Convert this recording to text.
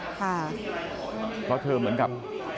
เพราะเธอเหมือนกับ